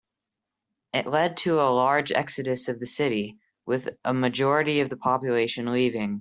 It led to a large exodus of the city, with a majority of the population leaving.